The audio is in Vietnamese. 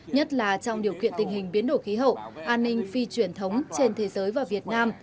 nhất là trong điều kiện tình hình biến đổi khí hậu an ninh phi truyền thống trên thế giới và việt nam